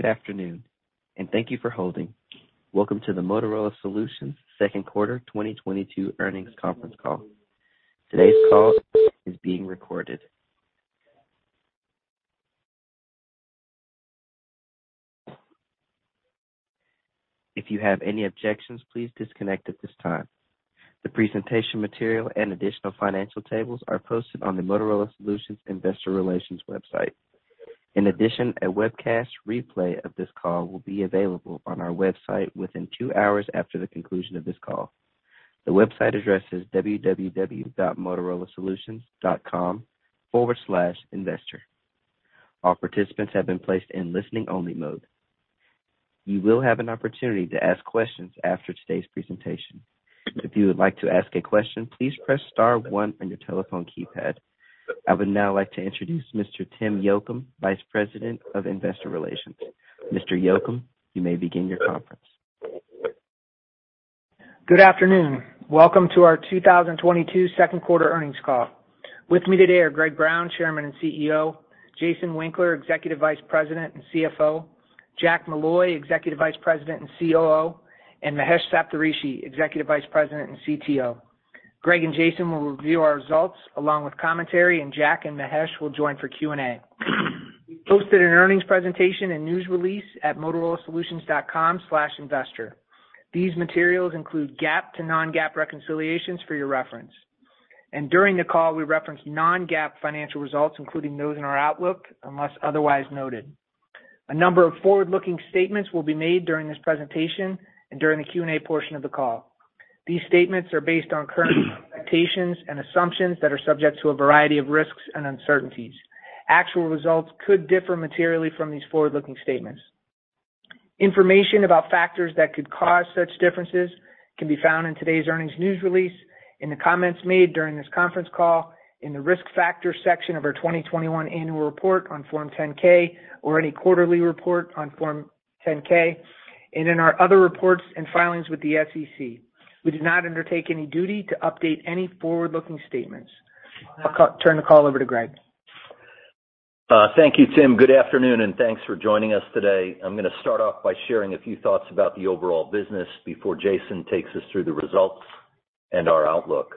Good afternoon, and thank you for holding. Welcome to the Motorola Solutions Second Quarter 2022 Earnings Conference Call. Today's call is being recorded. If you have any objections, please disconnect at this time. The presentation material and additional financial tables are posted on the Motorola Solutions investor relations website. In addition, a webcast replay of this call will be available on our website within two hours after the conclusion of this call. The website address is www.motorolasolutions.com/investor. All participants have been placed in listening only mode. You will have an opportunity to ask questions after today's presentation. If you would like to ask a question, please press star one on your telephone keypad. I would now like to introduce Mr. Tim Yocum, Vice President of Investor Relations. Mr. Yocum, you may begin your conference. Good afternoon. Welcome to our 2022 second quarter earnings call. With me today are Greg Brown, Chairman and CEO, Jason Winkler, Executive Vice President and CFO, Jack Molloy, Executive Vice President and COO, and Mahesh Saptharishi, Executive Vice President and CTO. Greg and Jason will review our results along with commentary, and Jack and Mahesh will join for Q&A. We've posted an earnings presentation and news release at motorolasolutions.com/investor. These materials include GAAP to non-GAAP reconciliations for your reference. During the call, we reference non-GAAP financial results, including those in our outlook, unless otherwise noted. A number of forward-looking statements will be made during this presentation and during the Q&A portion of the call. These statements are based on current expectations and assumptions that are subject to a variety of risks and uncertainties. Actual results could differ materially from these forward-looking statements. Information about factors that could cause such differences can be found in today's earnings news release, in the comments made during this conference call, in the Risk Factors section of our 2021 annual report on Form 10-K or any quarterly report on Form 10-K, and in our other reports and filings with the SEC. We do not undertake any duty to update any forward-looking statements. I'll turn the call over to Greg. Thank you, Tim. Good afternoon, and thanks for joining us today. I'm gonna start off by sharing a few thoughts about the overall business before Jason takes us through the results and our outlook.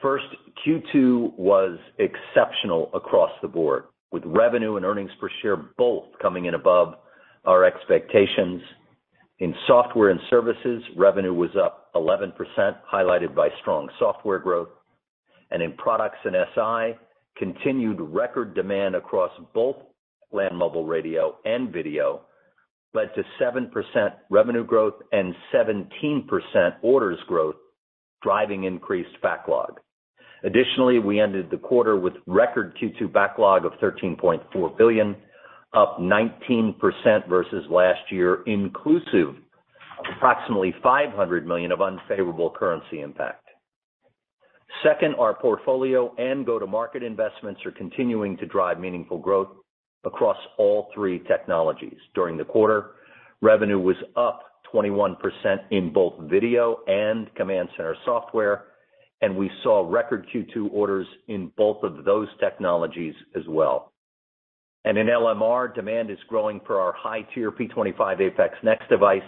First, Q2 was exceptional across the board, with revenue and earnings per share both coming in above our expectations. In software and services, revenue was up 11%, highlighted by strong software growth. In products and SI, continued record demand across both land mobile radio and video led to 7% revenue growth and 17% orders growth, driving increased backlog. Additionally, we ended the quarter with record Q2 backlog of $13.4 billion, up 19% versus last year, inclusive of approximately $500 million of unfavorable currency impact. Second, our portfolio and go-to-market investments are continuing to drive meaningful growth across all three technologies. During the quarter, revenue was up 21% in both video and command center software, and we saw record Q2 orders in both of those technologies as well. In LMR, demand is growing for our high-tier P25 APX NEXT device,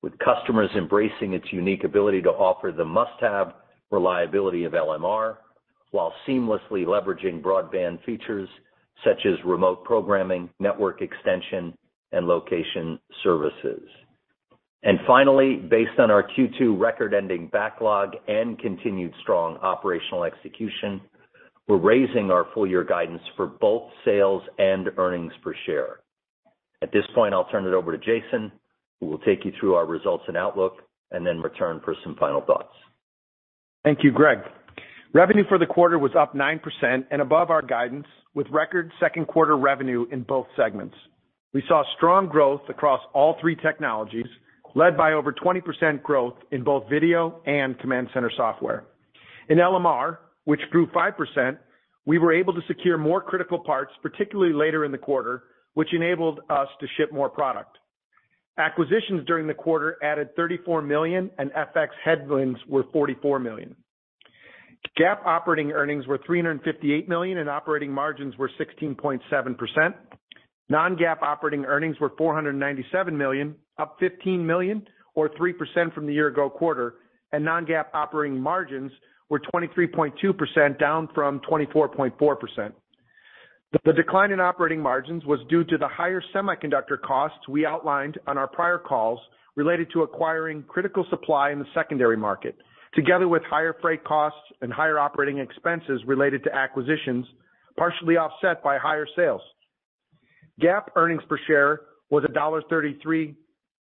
with customers embracing its unique ability to offer the must-have reliability of LMR, while seamlessly leveraging broadband features such as remote programming, network extension, and location services. Finally, based on our Q2 record-ending backlog and continued strong operational execution, we're raising our full year guidance for both sales and earnings per share. At this point, I'll turn it over to Jason, who will take you through our results and outlook and then return for some final thoughts. Thank you, Greg. Revenue for the quarter was up 9% and above our guidance, with record second quarter revenue in both segments. We saw strong growth across all three technologies, led by over 20% growth in both video and command center software. In LMR, which grew 5%, we were able to secure more critical parts, particularly later in the quarter, which enabled us to ship more product. Acquisitions during the quarter added $34 million, and FX headwinds were $44 million. GAAP operating earnings were $358 million, and operating margins were 16.7%. Non-GAAP operating earnings were $497 million, up $15 million or 3% from the year ago quarter. Non-GAAP operating margins were 23.2%, down from 24.4%. The decline in operating margins was due to the higher semiconductor costs we outlined on our prior calls related to acquiring critical supply in the secondary market, together with higher freight costs and higher operating expenses related to acquisitions, partially offset by higher sales. GAAP earnings per share was $1.33,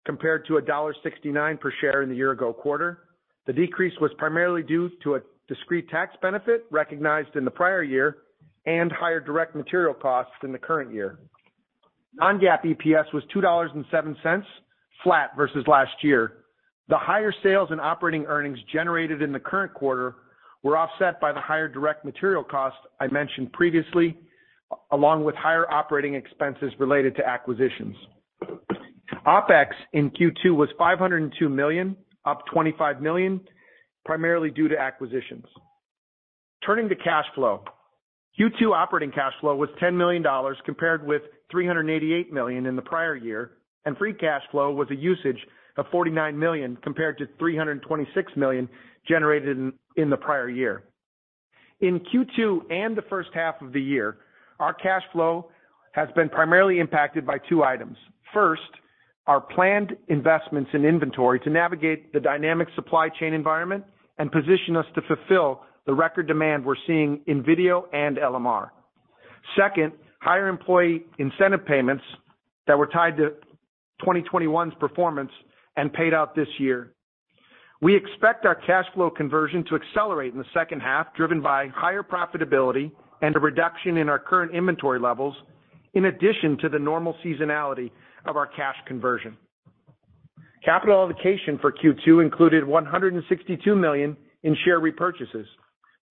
compared to $1.69 per share in the year-ago quarter. The decrease was primarily due to a discrete tax benefit recognized in the prior year and higher direct material costs in the current year. Non-GAAP EPS was $2.07, flat versus last year. The higher sales and operating earnings generated in the current quarter were offset by the higher direct material costs I mentioned previously, along with higher operating expenses related to acquisitions. OpEx in Q2 was $502 million, up $25 million, primarily due to acquisitions. Turning to cash flow. Q2 operating cash flow was $10 million compared with $388 million in the prior year, and free cash flow was a usage of $49 million compared to $326 million generated in the prior year. In Q2 and the first half of the year, our cash flow has been primarily impacted by two items. First, our planned investments in inventory to navigate the dynamic supply chain environment and position us to fulfill the record demand we're seeing in video and LMR. Second, higher employee incentive payments that were tied to 2021's performance and paid out this year. We expect our cash flow conversion to accelerate in the second half, driven by higher profitability and a reduction in our current inventory levels, in addition to the normal seasonality of our cash conversion. Capital allocation for Q2 included $162 million in share repurchases,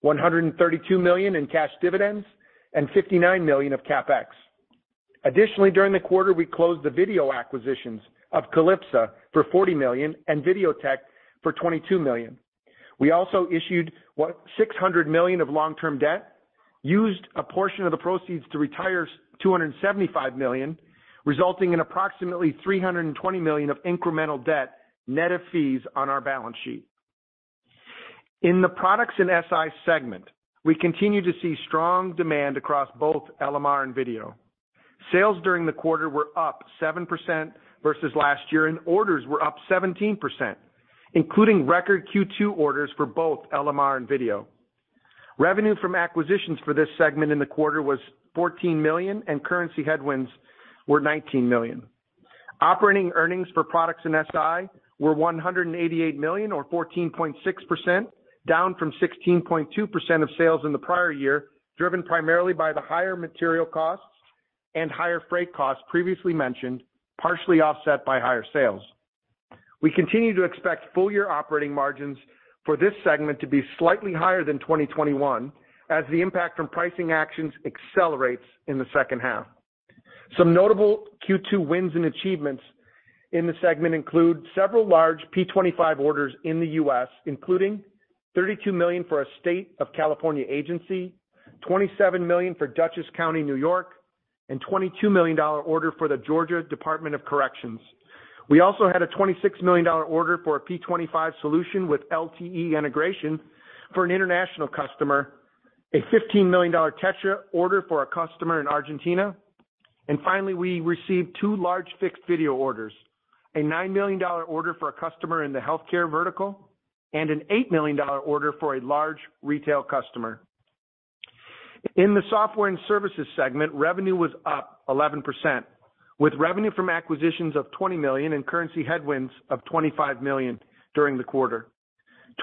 $132 million in cash dividends, and $59 million of CapEx. Additionally, during the quarter, we closed the video acquisitions of Calipsa for $40 million and Videotec for $22 million. We also issued $600 million of long-term debt, used a portion of the proceeds to retire $275 million, resulting in approximately $320 million of incremental debt net of fees on our balance sheet. In the products and SI segment, we continue to see strong demand across both LMR and video. Sales during the quarter were up 7% versus last year, and orders were up 17%, including record Q2 orders for both LMR and video. Revenue from acquisitions for this segment in the quarter was $14 million, and currency headwinds were $19 million. Operating earnings for products in SI were $188 million or 14.6%, down from 16.2% of sales in the prior year, driven primarily by the higher material costs and higher freight costs previously mentioned, partially offset by higher sales. We continue to expect full-year operating margins for this segment to be slightly higher than 2021 as the impact from pricing actions accelerates in the second half. Some notable Q2 wins and achievements in the segment include several large P25 orders in the US, including $32 million for a state of California agency, $27 million for Dutchess County, New York, and $22 million order for the Georgia Department of Corrections. We also had a $26 million order for a P25 solution with LTE integration for an international customer, a $15 million TETRA order for a customer in Argentina. Finally, we received two large fixed video orders, a $9 million order for a customer in the healthcare vertical, and an $8 million order for a large retail customer. In the software and services segment, revenue was up 11%, with revenue from acquisitions of $20 million and currency headwinds of $25 million during the quarter.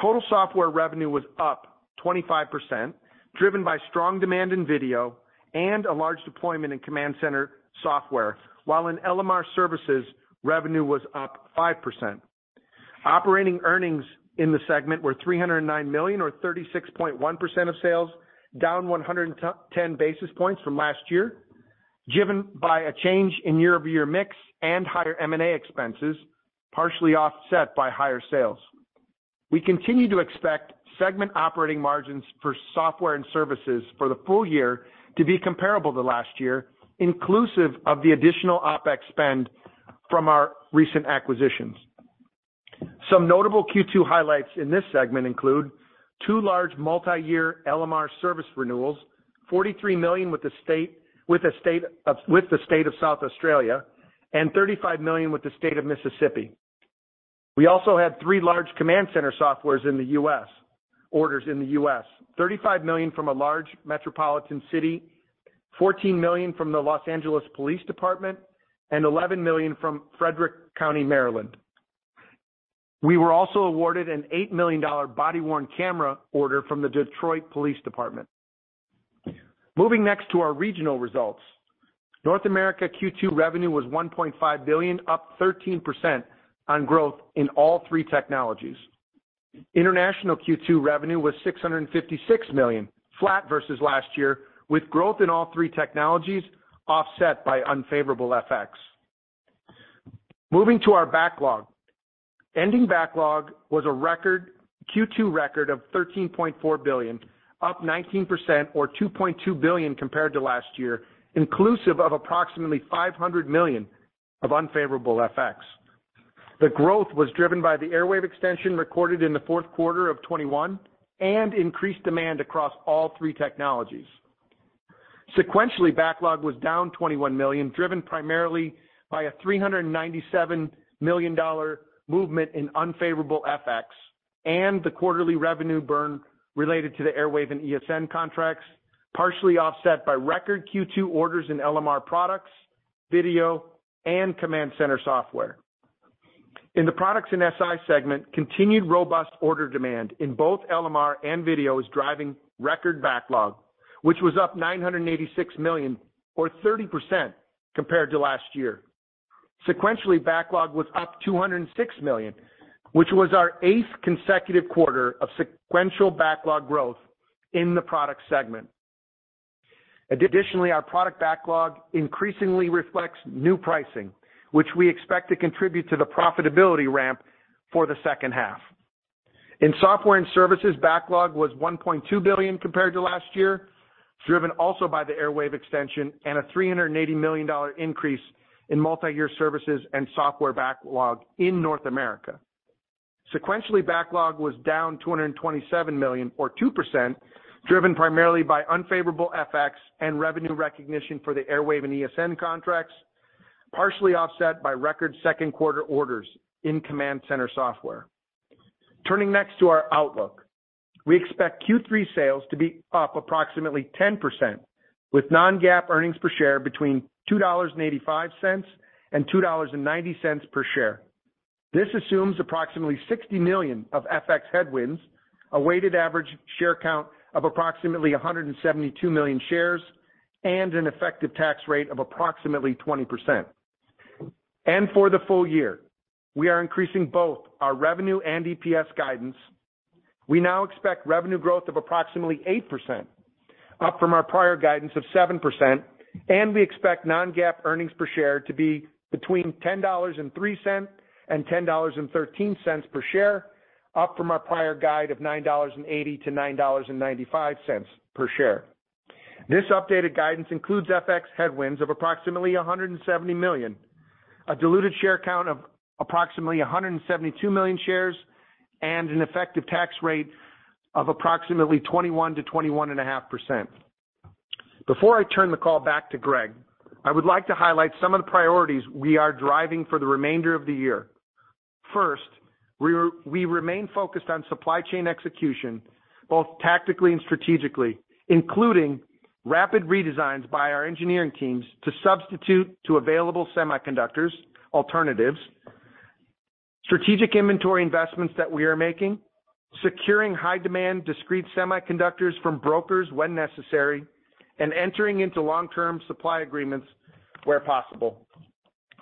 Total software revenue was up 25%, driven by strong demand in video and a large deployment in command center software, while in LMR services, revenue was up 5%. Operating earnings in the segment were $309 million or 36.1% of sales, down 110 basis points from last year, driven by a change in year-over-year mix and higher M&A expenses, partially offset by higher sales. We continue to expect segment operating margins for software and services for the full year to be comparable to last year, inclusive of the additional OpEx spend from our recent acquisitions. Some notable Q2 highlights in this segment include two large multi-year LMR service renewals, $43 million with the State of South Australia and $35 million with the State of Mississippi. We also had three large command center software orders in the U.S. $35 million from a large metropolitan city, $14 million from the Los Angeles Police Department, and $11 million from Frederick County, Maryland. We were also awarded an $8 million body-worn camera order from the Detroit Police Department. Moving next to our regional results. North America Q2 revenue was $1.5 billion, up 13% on growth in all three technologies. International Q2 revenue was $656 million, flat versus last year, with growth in all three technologies offset by unfavorable FX. Moving to our backlog. Ending backlog was a record, Q2 record of $13.4 billion, up 19% or $2.2 billion compared to last year, inclusive of approximately $500 million of unfavorable FX. The growth was driven by the Airwave extension recorded in the fourth quarter of 2021 and increased demand across all three technologies. Sequentially, backlog was down $21 million, driven primarily by a $397 million movement in unfavorable FX and the quarterly revenue burn related to the Airwave and ESN contracts, partially offset by record Q2 orders in LMR products, video, and command center software. In the Products and SI segment, continued robust order demand in both LMR and video is driving record backlog, which was up $986 million or 30% compared to last year. Sequentially, backlog was up $206 million, which was our eighth consecutive quarter of sequential backlog growth in the product segment. Additionally, our product backlog increasingly reflects new pricing, which we expect to contribute to the profitability ramp for the second half. In software and services, backlog was $1.2 billion compared to last year, driven also by the Airwave extension and a $380 million increase in multiyear services and software backlog in North America. Sequentially, backlog was down $227 million or 2%, driven primarily by unfavorable FX and revenue recognition for the Airwave and ESN contracts, partially offset by record second quarter orders in command center software. Turning next to our outlook. We expect Q3 sales to be up approximately 10% with non-GAAP earnings per share between $2.85 and $2.90 per share. This assumes approximately $60 million of FX headwinds, a weighted average share count of approximately 172 million shares, and an effective tax rate of approximately 20%. For the full year, we are increasing both our revenue and EPS guidance. We now expect revenue growth of approximately 8%, up from our prior guidance of 7%, and we expect non-GAAP earnings per share to be between $10.03 and $10.13 per share, up from our prior guide of $9.80 to $9.95 per share. This updated guidance includes FX headwinds of approximately $170 million, a diluted share count of approximately 172 million shares, and an effective tax rate of approximately 21%-21.5%. Before I turn the call back to Greg, I would like to highlight some of the priorities we are driving for the remainder of the year. First, we remain focused on supply chain execution, both tactically and strategically, including rapid redesigns by our engineering teams to substitute for available semiconductor alternatives, strategic inventory investments that we are making, securing high-demand discrete semiconductors from brokers when necessary, and entering into long-term supply agreements where possible.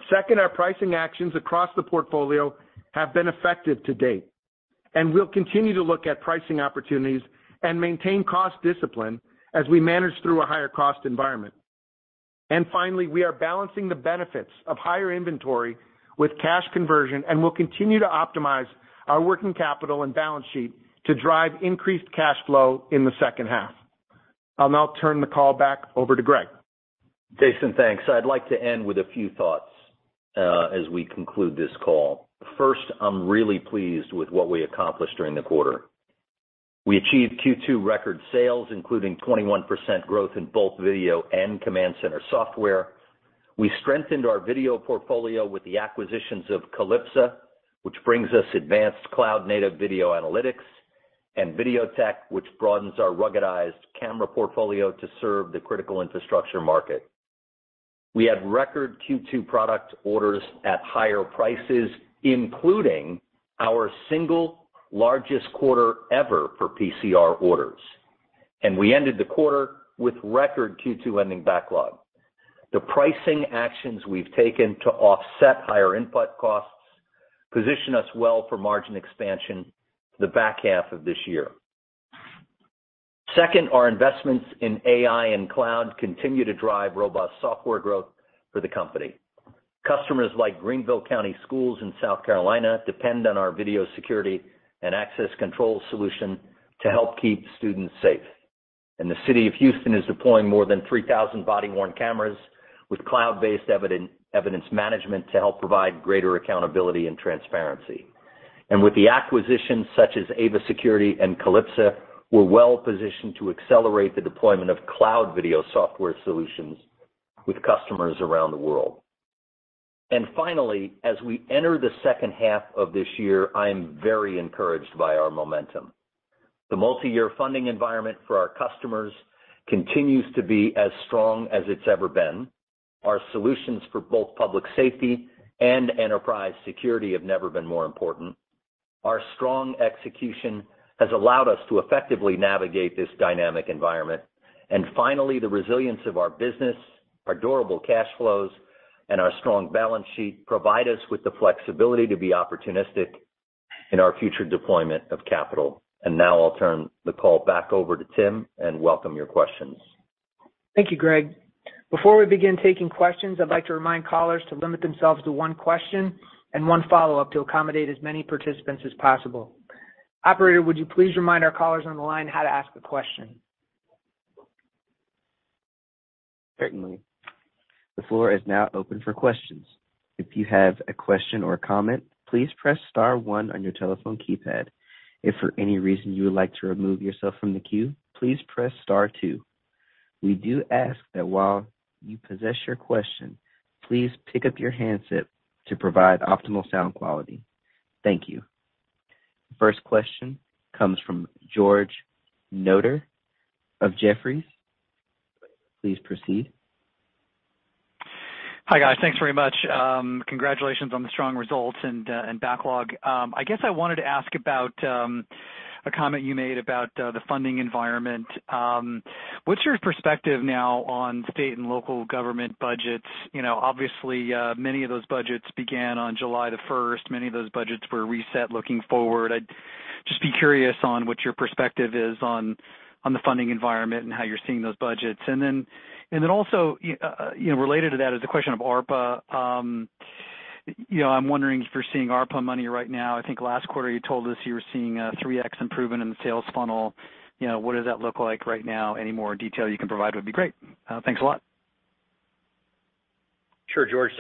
Second, our pricing actions across the portfolio have been effective to date, and we'll continue to look at pricing opportunities and maintain cost discipline as we manage through a higher cost environment. Finally, we are balancing the benefits of higher inventory with cash conversion, and we'll continue to optimize our working capital and balance sheet to drive increased cash flow in the second half. I'll now turn the call back over to Greg. Jason, thanks. I'd like to end with a few thoughts, as we conclude this call. First, I'm really pleased with what we accomplished during the quarter. We achieved Q2 record sales, including 21% growth in both video and command center software. We strengthened our video portfolio with the acquisitions of Calipsa, which brings us advanced cloud-native video analytics, and Videotec, which broadens our ruggedized camera portfolio to serve the critical infrastructure market. We had record Q2 product orders at higher prices, including our single largest quarter ever for PCR orders, and we ended the quarter with record Q2 ending backlog. The pricing actions we've taken to offset higher input costs position us well for margin expansion the back half of this year. Second, our investments in AI and cloud continue to drive robust software growth for the company. Customers like Greenville County Schools in South Carolina depend on our video security and access control solution to help keep students safe. The City of Houston is deploying more than 3,000 body-worn cameras with cloud-based evidence management to help provide greater accountability and transparency. With the acquisitions such as Ava Security and Calipsa, we're well positioned to accelerate the deployment of cloud video software solutions with customers around the world. Finally, as we enter the second half of this year, I am very encouraged by our momentum. The multiyear funding environment for our customers continues to be as strong as it's ever been. Our solutions for both public safety and enterprise security have never been more important. Our strong execution has allowed us to effectively navigate this dynamic environment. Finally, the resilience of our business, our durable cash flows, and our strong balance sheet provide us with the flexibility to be opportunistic in our future deployment of capital. Now I'll turn the call back over to Tim and welcome your questions. Thank you, Greg. Before we begin taking questions, I'd like to remind callers to limit themselves to one question and one follow-up to accommodate as many participants as possible. Operator, would you please remind our callers on the line how to ask a question? Certainly. The floor is now open for questions. If you have a question or a comment, please press star one on your telephone keypad. If for any reason you would like to remove yourself from the queue, please press star two. We do ask that while you pose your question, please pick up your handset to provide optimal sound quality. Thank you. First question comes from George Notter of Jefferies. Please proceed. Hi, guys. Thanks very much. Congratulations on the strong results and backlog. I guess I wanted to ask about a comment you made about the funding environment. What's your perspective now on state and local government budgets? You know, obviously, many of those budgets began on July the first. Many of those budgets were reset looking forward. I'd just be curious on what your perspective is on the funding environment and how you're seeing those budgets. Also, you know, related to that is a question of ARPA. You know, I'm wondering if you're seeing ARPA money right now. I think last quarter you told us you were seeing a 3x improvement in the sales funnel. You know, what does that look like right now? Any more detail you can provide would be great. Thanks a lot. Sure, George.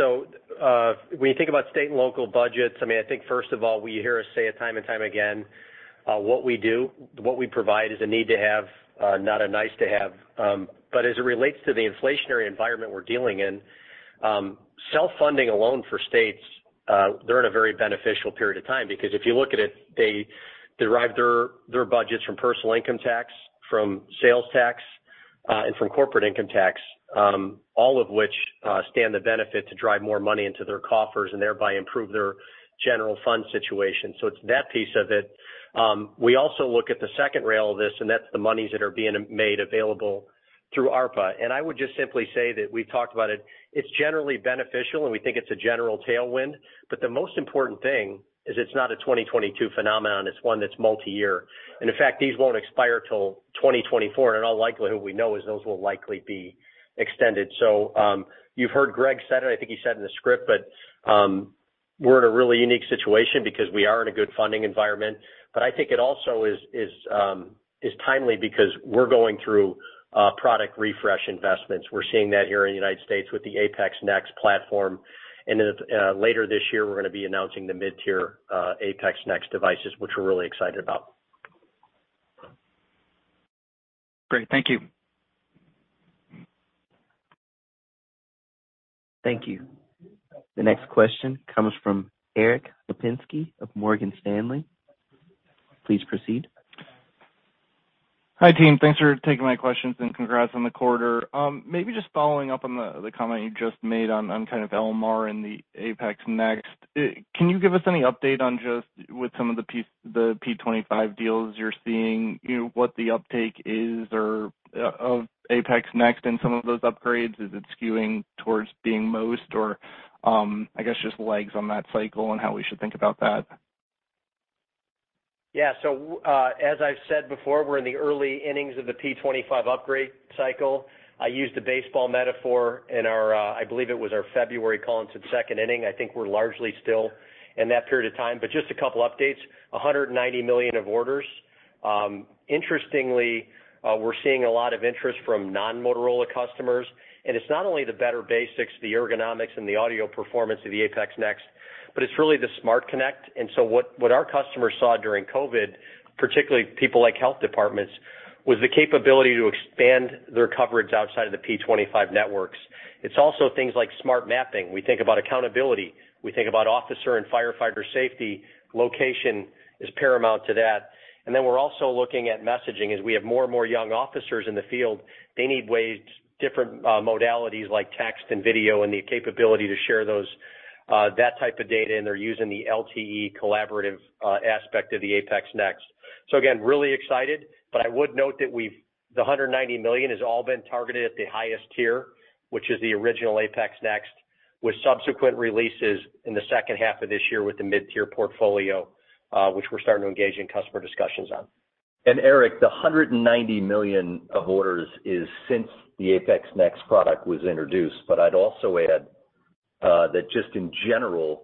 When you think about state and local budgets, I mean, I think first of all, you hear us say it time and time again, what we do, what we provide is a need to have, not a nice to have. But as it relates to the inflationary environment we're dealing in, self-funding alone for states, they're in a very beneficial period of time because if you look at it, they derive their budgets from personal income tax, from sales tax, and from corporate income tax, all of which stand to benefit to drive more money into their coffers and thereby improve their general fund situation. It's that piece of it. We also look at the second rail of this, and that's the monies that are being made available through ARPA. I would just simply say that we've talked about it. It's generally beneficial, and we think it's a general tailwind. The most important thing is it's not a 2022 phenomenon, it's one that's multiyear. In fact, these won't expire till 2024. In all likelihood, what we know is those will likely be extended. You've heard Greg said it, I think he said in the script, but we're in a really unique situation because we are in a good funding environment. I think it also is timely because we're going through product refresh investments. We're seeing that here in the United States with the APX NEXT platform. Later this year, we're gonna be announcing the mid-tier APX NEXT devices, which we're really excited about. Great. Thank you. Thank you. The next question comes from Erik Lapinski of Morgan Stanley. Please proceed. Hi, team. Thanks for taking my questions and congrats on the quarter. Maybe just following up on the comment you just made on kind of LMR and the APX NEXT. Can you give us any update on just with some of the P25 deals you're seeing, you know, what the uptake is or of APX NEXT and some of those upgrades, is it skewing towards being most or I guess just legs on that cycle and how we should think about that? Yeah. As I've said before, we're in the early innings of the P25 upgrade cycle. I used a baseball metaphor in our, I believe it was our February call, and said second inning. I think we're largely still in that period of time, but just a couple updates. $190 million of orders. Interestingly, we're seeing a lot of interest from non-Motorola customers, and it's not only the better basics, the ergonomics and the audio performance of the APX NEXT, but it's really the SmartConnect. What our customers saw during COVID, particularly people like health departments, was the capability to expand their coverage outside of the P25 networks. It's also things like smart mapping. We think about accountability, we think about officer and firefighter safety. Location is paramount to that. Then we're also looking at messaging. As we have more and more young officers in the field, they need ways, different, modalities like text and video and the capability to share those, that type of data, and they're using the LTE collaborative aspect of the APX NEXT. Again, really excited, but I would note that the $190 million has all been targeted at the highest tier, which is the original APX NEXT, with subsequent releases in the second half of this year with the mid-tier portfolio, which we're starting to engage in customer discussions on. Eric, the $190 million of orders is since the APX NEXT product was introduced. I'd also add that just in general,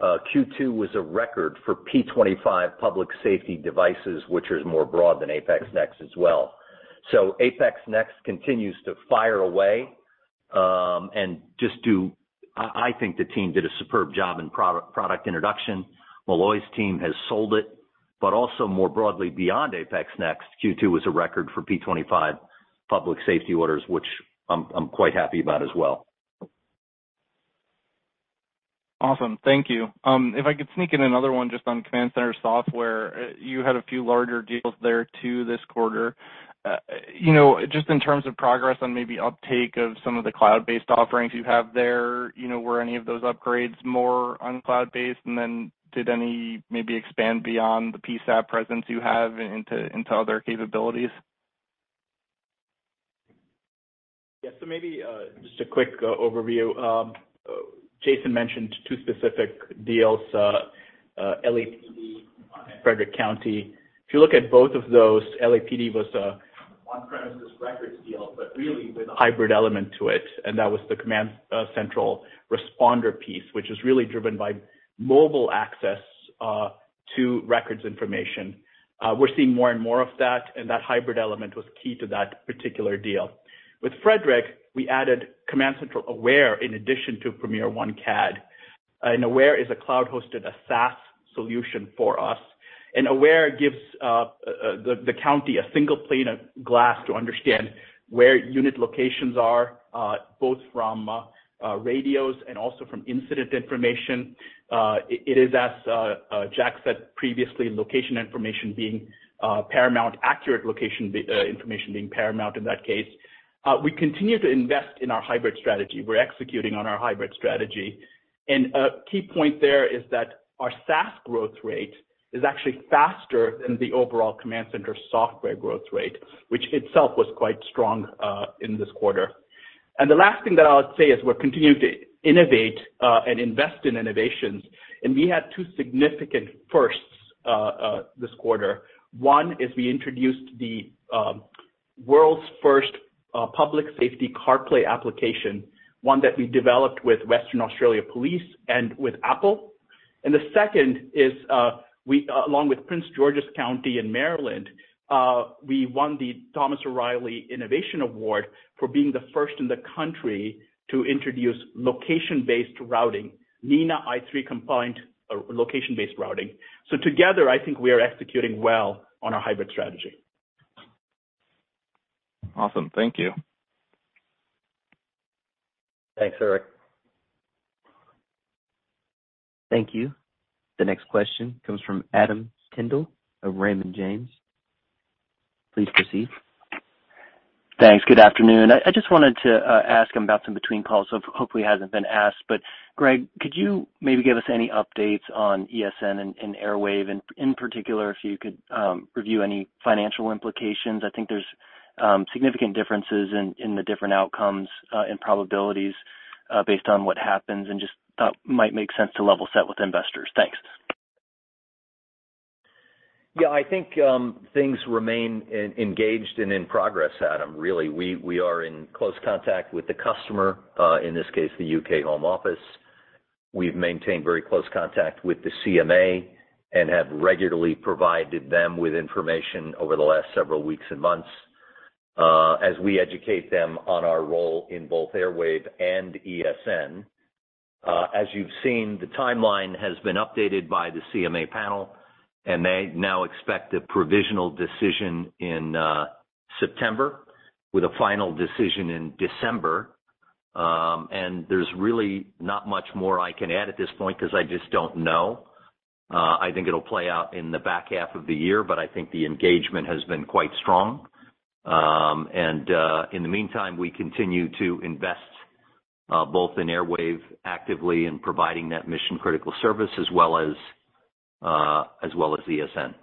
Q2 was a record for P25 public safety devices, which is more broad than APX NEXT as well. APX NEXT continues to fire away, and I think the team did a superb job in product introduction. Molloy's team has sold it. Also more broadly beyond APX NEXT, Q2 was a record for P25 public safety orders, which I'm quite happy about as well. Awesome. Thank you. If I could sneak in another one just on command center software. You had a few larger deals there too this quarter. You know, just in terms of progress on maybe uptake of some of the cloud-based offerings you have there, you know, were any of those upgrades more on cloud-based? Did any maybe expand beyond the PSAP presence you have into other capabilities? Yeah. Maybe just a quick overview. Jason mentioned two specific deals, LAPD and Frederick County. If you look at both of those, LAPD was a on-premises records deal, but really with a hybrid element to it, and that was the CommandCentral Responder piece, which is really driven by mobile access to records information. We're seeing more and more of that, and that hybrid element was key to that particular deal. With Frederick, we added CommandCentral Aware in addition to PremierOne CAD. Aware is a cloud-hosted SaaS solution for us. Aware gives the county a single pane of glass to understand where unit locations are, both from radios and also from incident information. It is, as Jack said previously, accurate location information being paramount in that case. We continue to invest in our hybrid strategy. We're executing on our hybrid strategy. A key point there is that our SaaS growth rate is actually faster than the overall CommandCentral software growth rate, which itself was quite strong in this quarter. The last thing that I would say is we're continuing to innovate and invest in innovations. We had two significant firsts this quarter. One is we introduced the world's first public safety CarPlay application, one that we developed with Western Australia Police Force and with Apple. The second is, we along with Prince George's County in Maryland, we won the Thomas O'Reilly Innovation Award for being the first in the country to introduce location-based routing, NENA i3 compliant or location-based routing. Together, I think we are executing well on our hybrid strategy. Awesome. Thank you. Thanks, Erik. Thank you. The next question comes from Adam Tindle of Raymond James. Please proceed. Thanks. Good afternoon. I just wanted to ask about some between calls, so hopefully it hasn't been asked. Greg, could you maybe give us any updates on ESN and Airwave? In particular, if you could review any financial implications. I think there's significant differences in the different outcomes and probabilities based on what happens, and just thought might make sense to level set with investors. Thanks. Yeah. I think things remain engaged and in progress, Adam, really. We are in close contact with the customer, in this case, the UK Home Office. We've maintained very close contact with the CMA and have regularly provided them with information over the last several weeks and months, as we educate them on our role in both Airwave and ESN. As you've seen, the timeline has been updated by the CMA panel, and they now expect a provisional decision in September with a final decision in December. There's really not much more I can add at this point 'cause I just don't know. I think it'll play out in the back half of the year, but I think the engagement has been quite strong. In the meantime, we continue to invest both in Airwave actively in providing that mission-critical service as well as ESN.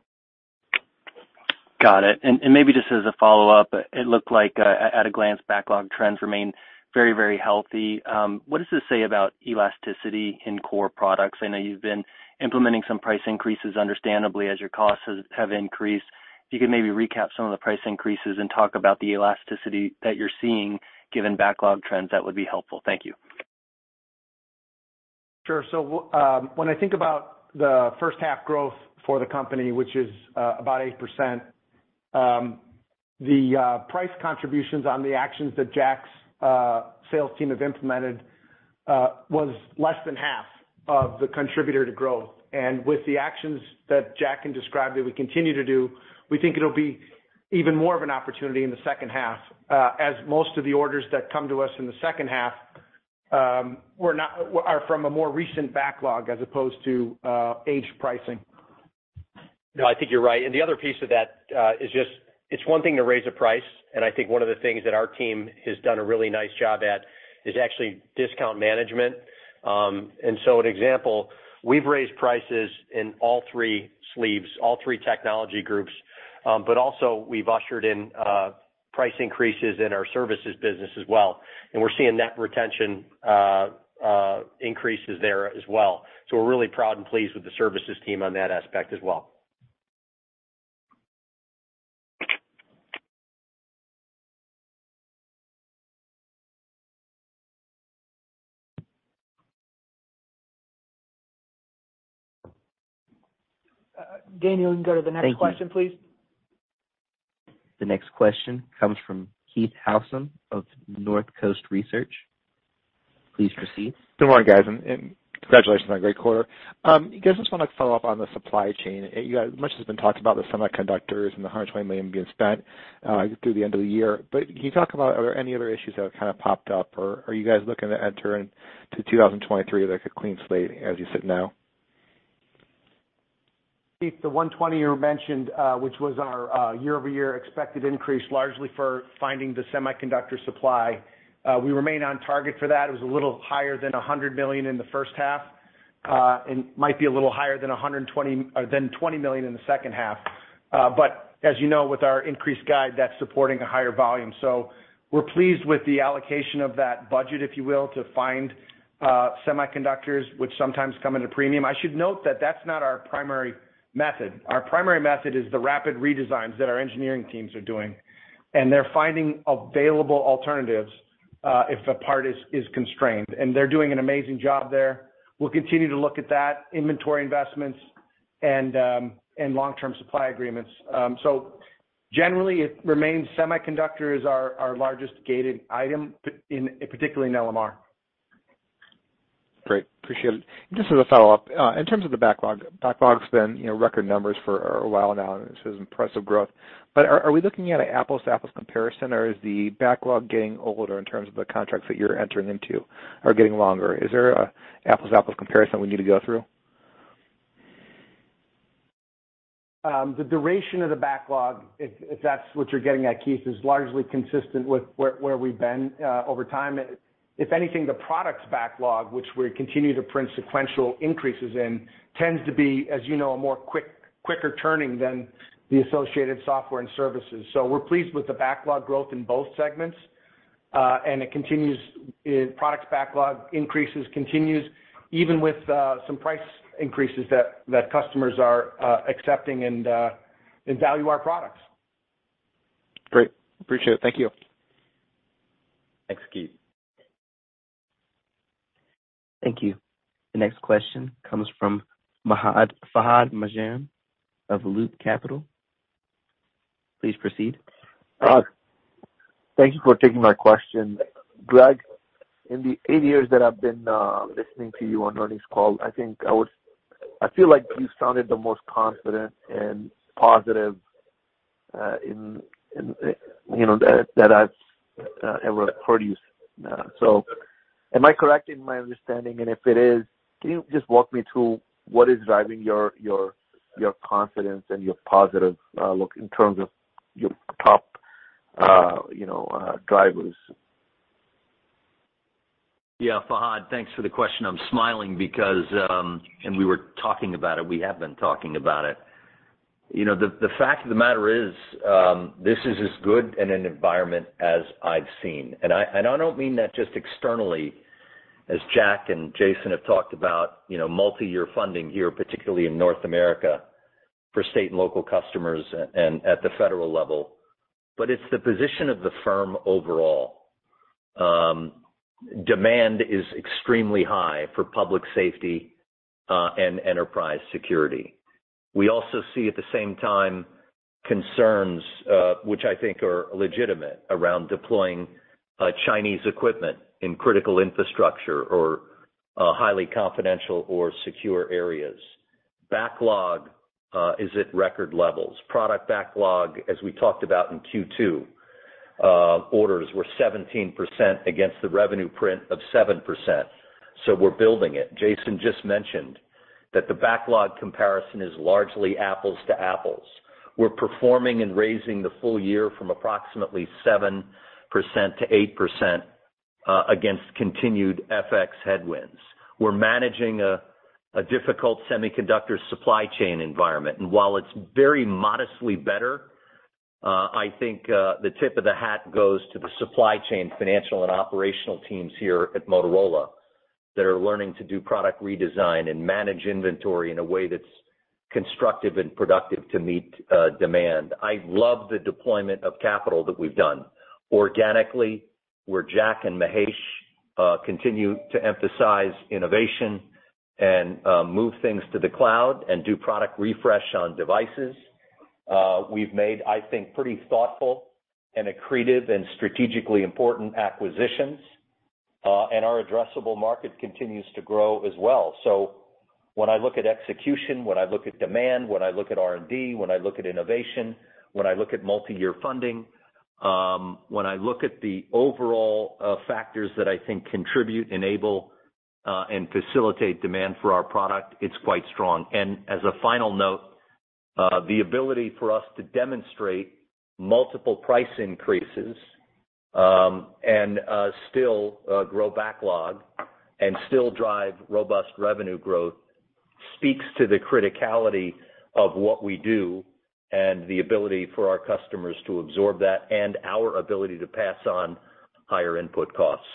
Got it. Maybe just as a follow-up, it looked like, at a glance, backlog trends remain very healthy. What does this say about elasticity in core products? I know you've been implementing some price increases understandably as your costs have increased. If you could maybe recap some of the price increases and talk about the elasticity that you're seeing given backlog trends, that would be helpful. Thank you. Sure. So when I think about the first half growth for the company, which is about 8%, the price contributions on the actions that Jack's sales team have implemented was less than half of the contributor to growth. With the actions that Jack can describe that we continue to do, we think it'll be even more of an opportunity in the second half, as most of the orders that come to us in the second half are from a more recent backlog as opposed to aged pricing. No, I think you're right. The other piece of that is just, it's one thing to raise a price, and I think one of the things that our team has done a really nice job at is actually discount management. An example, we've raised prices in all three sleeves, all three technology groups, but also we've ushered in price increases in our services business as well. We're seeing net retention increases there as well. We're really proud and pleased with the services team on that aspect as well. Daniel, you can go to the next question, please. Thank you. The next question comes from Keith Housum of Northcoast Research. Please proceed. Good morning, guys, and congratulations on a great quarter. I guess I just wanna follow up on the supply chain. You guys, much has been talked about the semiconductors and the $120 million being spent through the end of the year. Can you talk about are there any other issues that have kind of popped up, or are you guys looking to enter into 2023 like a clean slate as you sit now? Keith, the $120 million you mentioned, which was our year-over-year expected increase largely for finding the semiconductor supply, we remain on target for that. It was a little higher than $100 million in the first half, and might be a little higher than $120 million in the second half. As you know, with our increased guidance, that's supporting a higher volume. We're pleased with the allocation of that budget, if you will, to find semiconductors, which sometimes come at a premium. I should note that that's not our primary method. Our primary method is the rapid redesigns that our engineering teams are doing, and they're finding available alternatives if a part is constrained. They're doing an amazing job there. We'll continue to look at that, inventory investments and long-term supply agreements. Generally it remains semiconductors are our largest gated item, particularly in LMR. Great. Appreciate it. Just as a follow-up, in terms of the backlog. Backlog's been, you know, record numbers for a while now, and it's been impressive growth. But are we looking at an apples-to-apples comparison, or is the backlog getting older in terms of the contracts that you're entering into are getting longer? Is there an apples-to-apples comparison we need to go through? The duration of the backlog, if that's what you're getting at, Keith, is largely consistent with where we've been over time. If anything, the products backlog, which we continue to print sequential increases in, tends to be, as you know, a quicker turning than the associated software and services. We're pleased with the backlog growth in both segments. It continues, products backlog increases even with some price increases that customers are accepting and value our products. Great. Appreciate it. Thank you. Thanks, Keith. Thank you. The next question comes from Fahad Najam of Loop Capital. Please proceed. Fahad. Thank you for taking my question. Greg, in the eight years that I've been listening to you on earnings call, I feel like you've sounded the most confident and positive, you know, that I've ever heard you. Am I correct in my understanding? If it is, can you just walk me through what is driving your confidence and your positive look in terms of your top drivers? Yeah. Fahad, thanks for the question. I'm smiling because we have been talking about it. You know, the fact of the matter is, this is as good in an environment as I've seen, and I don't mean that just externally, as Jack and Jason have talked about, you know, multi-year funding here, particularly in North America for state and local customers and at the federal level. It's the position of the firm overall. Demand is extremely high for public safety, and enterprise security. We also see at the same time concerns, which I think are legitimate, around deploying Chinese equipment in critical infrastructure or highly confidential or secure areas. Backlog is at record levels. Product backlog, as we talked about in Q2, orders were 17% against the revenue print of 7%. We're building it. Jason just mentioned that the backlog comparison is largely apples to apples. We're performing and raising the full year from approximately 7% to 8%, against continued FX headwinds. We're managing a difficult semiconductor supply chain environment. While it's very modestly better, I think the tip of the hat goes to the supply chain financial and operational teams here at Motorola that are learning to do product redesign and manage inventory in a way that's constructive and productive to meet demand. I love the deployment of capital that we've done organically, where Jack and Mahesh continue to emphasize innovation and move things to the cloud and do product refresh on devices. We've made, I think, pretty thoughtful and accretive and strategically important acquisitions. Our addressable market continues to grow as well. When I look at execution, when I look at demand, when I look at R&D, when I look at innovation, when I look at multi-year funding, when I look at the overall factors that I think contribute, enable, and facilitate demand for our product, it's quite strong. As a final note, the ability for us to demonstrate multiple price increases, and still grow backlog and still drive robust revenue growth speaks to the criticality of what we do and the ability for our customers to absorb that and our ability to pass on higher input costs.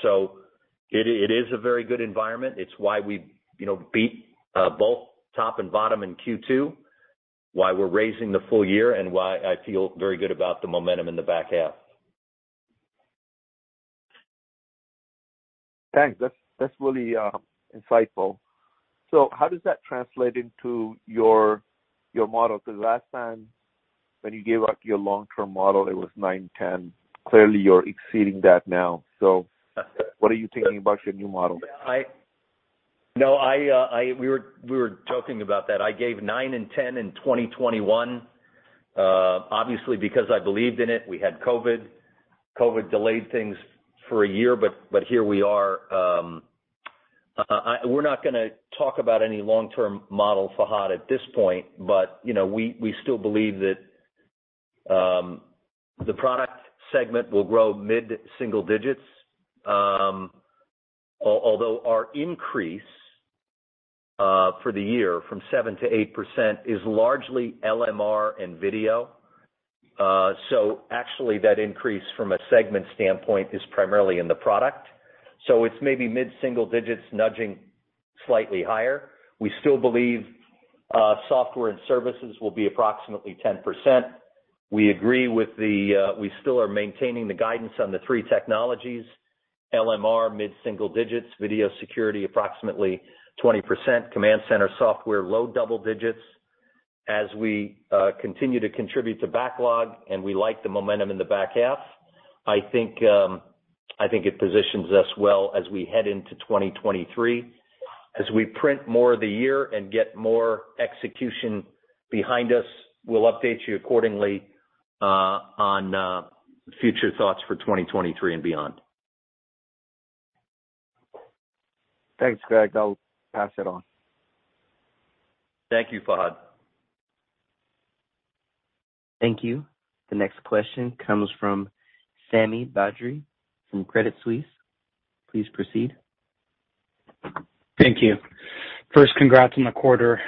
It is a very good environment. It's why we, you know, beat both top and bottom in Q2, why we're raising the full year, and why I feel very good about the momentum in the back half. Thanks. That's really insightful. How does that translate into your model? Because last time when you gave out your long-term model, it was 9/10. Clearly, you're exceeding that now. What are you thinking about your new model? No, we were joking about that. I gave 9% and 10% in 2021, obviously, because I believed in it. We had COVID. COVID delayed things for a year, but here we are. We're not gonna talk about any long-term model, Fahad, at this point, but, you know, we still believe that the product segment will grow mid-single digits. Although our increase for the year from 7%-8% is largely LMR and video. Actually that increase from a segment standpoint is primarily in the product. It's maybe mid-single digits nudging slightly higher. We still believe software and services will be approximately 10%. We agree with the we still are maintaining the guidance on the three technologies, LMR mid-single digits%, video security approximately 20%, command center software low double digits%. As we continue to contribute to backlog and we like the momentum in the back half, I think it positions us well as we head into 2023. As we print more of the year and get more execution behind us, we'll update you accordingly on future thoughts for 2023 and beyond. Thanks, Greg. I'll pass it on. Thank you, Fahad. Thank you. The next question comes from Sami Badri from Credit Suisse. Please proceed. Thank you. First, congrats on the quarter.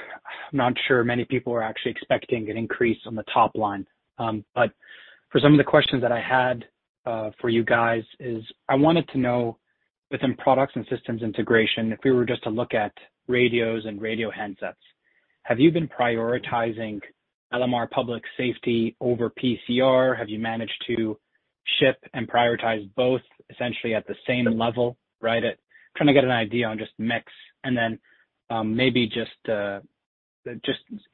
I'm not sure many people were actually expecting an increase on the top line. For some of the questions that I had, for you guys is I wanted to know within products and systems integration, if we were just to look at radios and radio handsets, have you been prioritizing LMR public safety over PCR? Have you managed to ship and prioritize both essentially at the same level, right? Trying to get an idea on just mix and then, maybe just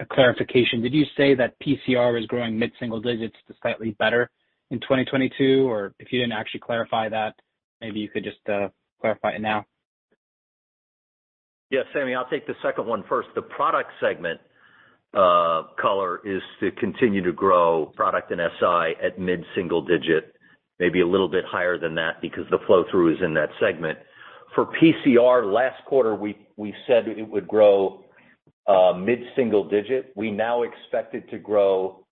a clarification. Did you say that PCR is growing mid-single digits to slightly better in 2022? Or if you didn't actually clarify that, maybe you could just, clarify it now. Yeah, Sami, I'll take the second one first. The product segment call is to continue to grow product and SI at mid-single-digit, maybe a little bit higher than that because the flow through is in that segment. For PCR, last quarter, we said it would grow mid-single-digit. We now expect it to grow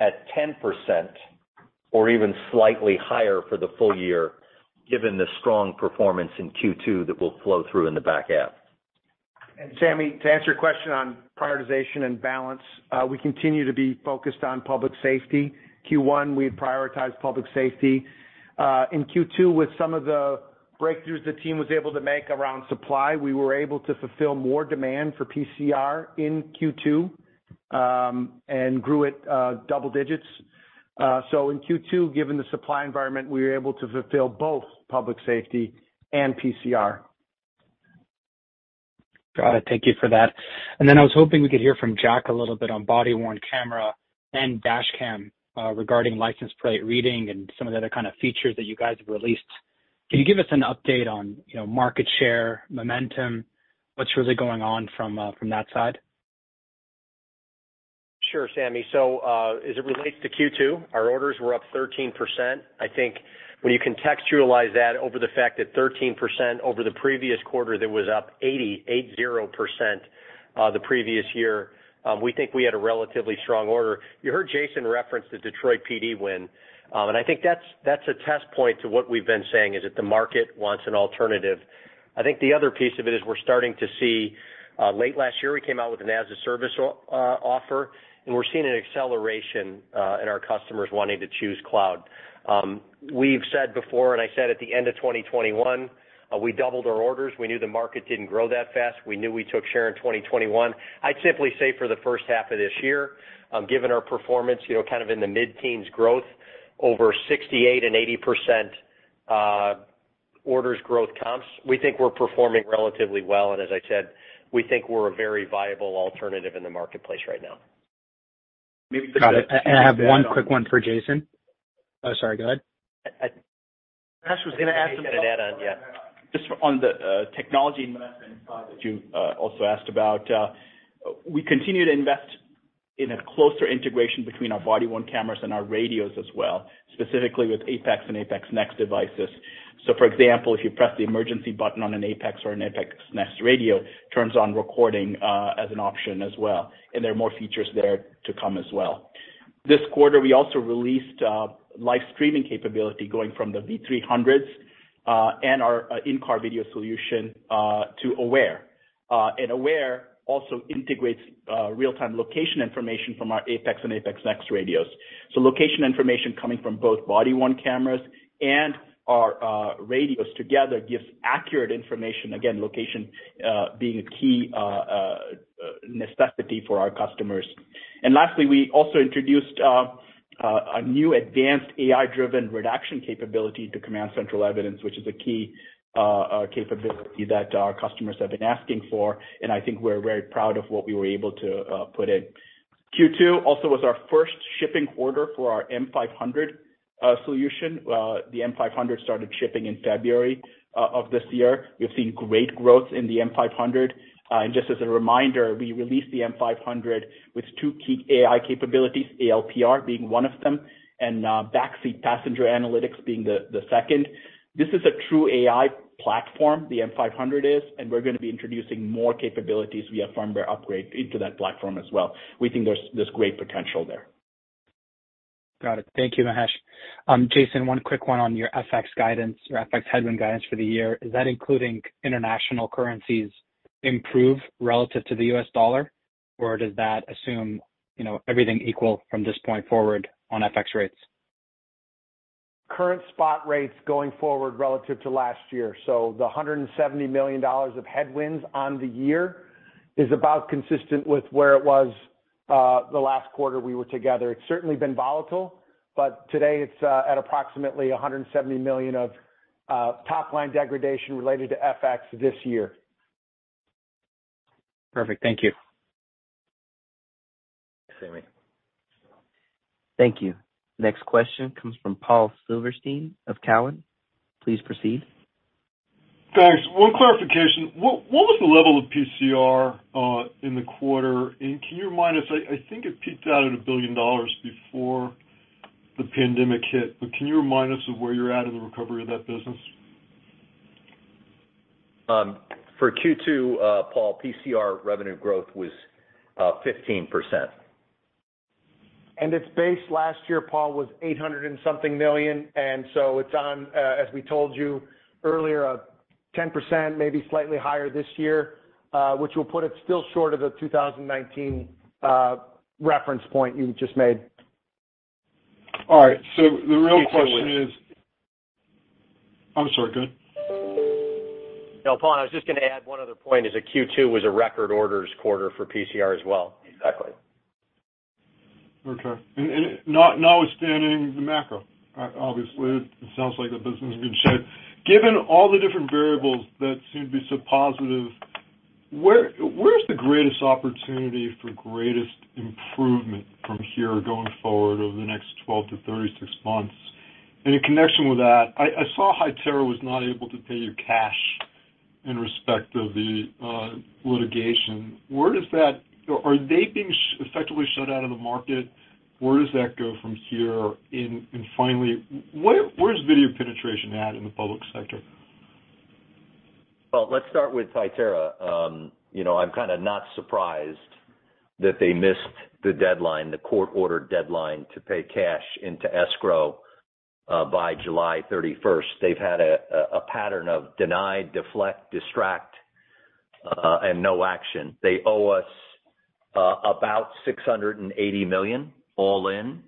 at 10% or even slightly higher for the full year, given the strong performance in Q2 that will flow through in the back half. Sami, to answer your question on prioritization and balance, we continue to be focused on public safety. Q1, we prioritized public safety. In Q2, with some of the breakthroughs the team was able to make around supply, we were able to fulfill more demand for PCR in Q2, and grew it, double digits. In Q2, given the supply environment, we were able to fulfill both public safety and PCR. Got it. Thank you for that. I was hoping we could hear from Jack a little bit on body-worn camera and dash cam, regarding license plate reading and some of the other kind of features that you guys have released. Can you give us an update on, you know, market share, momentum? What's really going on from that side? Sure, Sami. As it relates to Q2, our orders were up 13%. I think when you contextualize that over the fact that 13% over the previous quarter that was up 88.0%, the previous year, we think we had a relatively strong order. You heard Jason reference the Detroit PD win, and I think that's a test point to what we've been saying, is that the market wants an alternative. I think the other piece of it is we're starting to see, late last year, we came out with an as a service offer, and we're seeing an acceleration in our customers wanting to choose cloud. We've said before, and I said at the end of 2021, we doubled our orders. We knew the market didn't grow that fast. We knew we took share in 2021. I'd simply say for the first half of this year, given our performance, you know, kind of in the mid-teens growth over 68% and 80%, orders growth comps, we think we're performing relatively well. As I said, we think we're a very viable alternative in the marketplace right now. Got it. I have one quick one for Jason. Oh, sorry, go ahead. Mahesh was gonna add something. Gonna add on, yeah. Just on the technology investment side that you also asked about, we continue to invest in a closer integration between our body-worn cameras and our radios as well, specifically with APX and APX NEXT devices. For example, if you press the emergency button on an APX or an APX NEXT radio, turns on recording as an option as well, and there are more features there to come as well. This quarter, we also released live streaming capability going from the V300s and our in-car video solution to Aware. Aware also integrates real-time location information from our APX and APX NEXT radios. Location information coming from both body-worn cameras and our radios together gives accurate information. Again, location being a key necessity for our customers. Lastly, we also introduced a new advanced AI-driven redaction capability to CommandCentral Evidence, which is a key capability that our customers have been asking for, and I think we're very proud of what we were able to put in. Q2 also was our first shipping order for our M500 solution. The M500 started shipping in February of this year. We've seen great growth in the M500. Just as a reminder, we released the M500 with two key AI capabilities, ALPR being one of them, and Backseat Passenger Analytics being the second. This is a true AI platform, the M500 is, and we're gonna be introducing more capabilities via firmware upgrade into that platform as well. We think there's great potential there. Got it. Thank you, Mahesh. Jason, one quick one on your FX guidance or FX headwind guidance for the year. Is that including international currencies improve relative to the U.S. dollar? Or does that assume, you know, everything equal from this point forward on FX rates? Current spot rates going forward relative to last year. The $170 million of headwinds on the year is about consistent with where it was, the last quarter we were together. It's certainly been volatile, but today it's at approximately $170 million of top-line degradation related to FX this year. Perfect. Thank you. Thanks, Sami. Thank you. Next question comes from Paul Silverstein of Cowen. Please proceed. Thanks. One clarification. What was the level of PCR in the quarter? Can you remind us, I think it peaked out at a billion dollars before the pandemic hit, but can you remind us of where you're at in the recovery of that business? For Q2, Paul, PCR revenue growth was 15%. Its base last year, Paul, was $800-something million. It's on, as we told you earlier, 10%, maybe slightly higher this year, which will put it still short of the 2019 reference point you just made. All right. The real question is. Q2 was. I'm sorry, go ahead. No, Paul, I was just gonna add one other point, is that Q2 was a record orders quarter for PCR as well. Exactly. Notwithstanding the macro, obviously, it sounds like the business is in good shape. Given all the different variables that seem to be so positive, where's the greatest opportunity for greatest improvement from here going forward over the next 12-36 months? In connection with that, I saw Hytera was not able to pay you cash in respect of the litigation. Where does that go? Are they being effectively shut out of the market? Where does that go from here? Finally, where's video penetration at in the public sector? Well, let's start with Hytera. You know, I'm kinda not surprised that they missed the deadline, the court-ordered deadline to pay cash into escrow by July 31. They've had a pattern of deny, deflect, distract and no action. They owe us about $680 million, all in.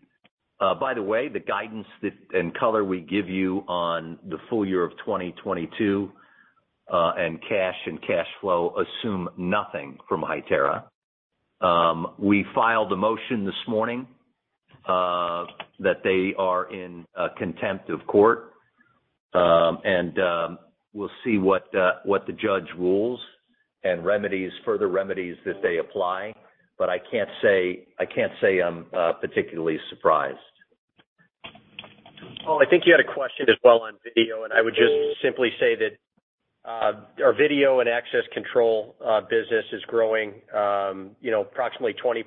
By the way, the guidance and color we give you on the full year of 2022 and cash and cash flow assume nothing from Hytera. We filed a motion this morning that they are in contempt of court. We'll see what the judge rules and remedies, further remedies that they apply. I can't say I'm particularly surprised. Paul, I think you had a question as well on video, and I would just simply say that our video and access control business is growing approximately 20%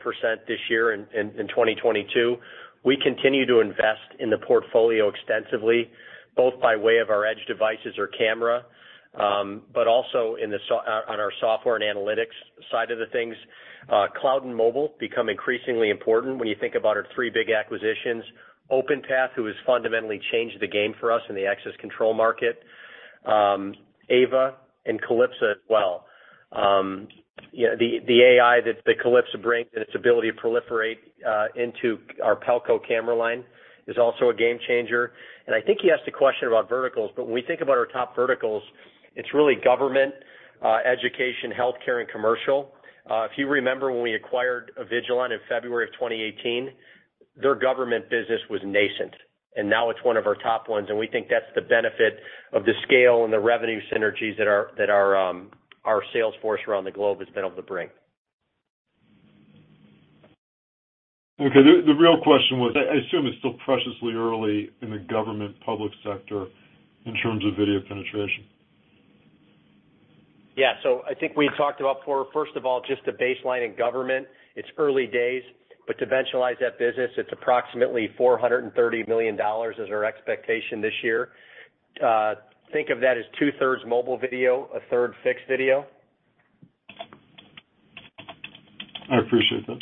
this year in 2022. We continue to invest in the portfolio extensively, both by way of our edge devices or camera, but also on our software and analytics side of the things. Cloud and mobile become increasingly important when you think about our three big acquisitions. Openpath, who has fundamentally changed the game for us in the access control market, Ava and Calipsa as well. You know, the AI that Calipsa brings and its ability to proliferate into our Pelco camera line is also a game changer. I think he asked a question about verticals, but when we think about our top verticals, it's really government, education, healthcare, and commercial. If you remember when we acquired Avigilon in February of 2018, their government business was nascent, and now it's one of our top ones. We think that's the benefit of the scale and the revenue synergies that our sales force around the globe has been able to bring. Okay. The real question was, I assume it's still precious early in the government public sector in terms of video penetration. I think we talked about, first of all, just the baseline in government. It's early days, but to benchmark that business, it's approximately $430 million is our expectation this year. Think of that as 2/3 mobile video, 1/3 fixed video. I appreciate that.